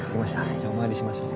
じゃあお参りしましょう。